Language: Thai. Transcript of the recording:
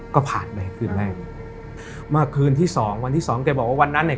ก็ผ่านไปคืนแรกเมื่อคืนที่สองวันที่สองแกบอกว่าวันนั้นเนี่ย